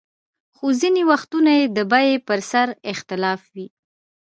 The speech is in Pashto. خو ځینې وختونه یې د بیې پر سر اختلاف وي.